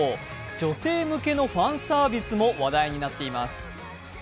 女性向けのファンサービスも話題になっています。